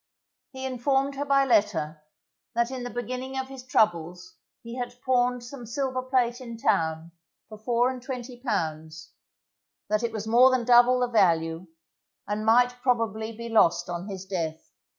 He informed her by letter, that in the beginning of his troubles he had pawned some silver plate in town for four and twenty pounds, that it was more than double the value, and might probably be lost on his death.